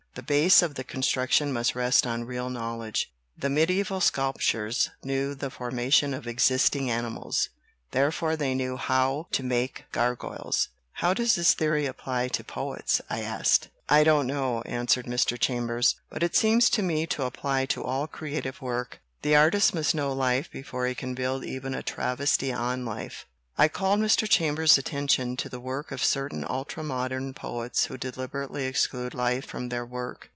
The base of the construction must rest on real knowledge. The medieval sculptors knew the formation of existing animals; therefore they knew how to make gargoyles." "How does this theory apply to poets?" I asked. "I don't know," answered Mr. Chambers, "but it seems to me to apply to all creative work. The artist must know life before he can build even a travesty on life." I called Mr. Chambers's attention to the work of certain ultra modern poets who deliberately exclude life from their work.